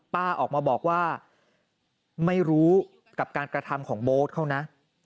ป้าออกมาบอกว่าไม่รู้กับการกระทำของโบ๊ทเขานะ